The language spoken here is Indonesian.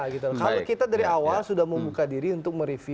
kalau kita dari awal sudah membuka diri untuk mereview